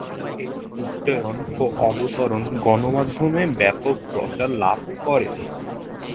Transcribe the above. এই উড্ডয়ন ও অবতরণ গণমাধ্যমে ব্যাপক প্রচার লাভ করে।